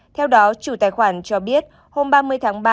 theo đó chủ tài khoản cho biết hôm ba mươi tháng ba